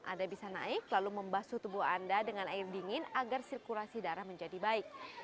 anda bisa naik lalu membasuh tubuh anda dengan air dingin agar sirkulasi darah menjadi baik